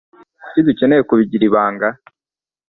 Kuki dukeneye kubigira ibanga?